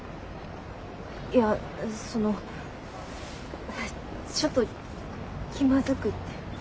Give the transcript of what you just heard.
いやそのちょっと気まずくて。